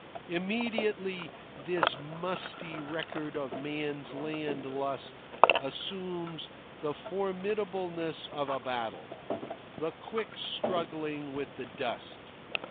Immediately this musty record of man's land lust assumes the formidableness of a battle the quick struggling with the dust.